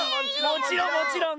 もちろんもちろん。